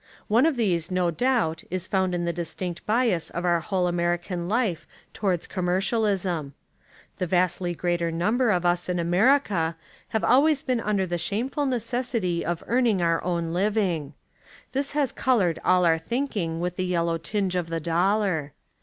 One of these no doubt is found in the distinct bias of our whole American life towards commercialism. The vastly greater number of us In America have always been under the shameful necessity of earning our own living. This has coloured all our thinking with the yellow tinge of the dollar.